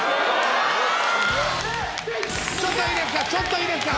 ちょっといいですか？